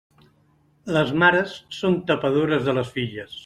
Les mares són tapadores de les filles.